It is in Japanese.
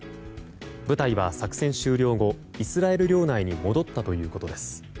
部隊は作戦終了後イスラエル領内に戻ったということです。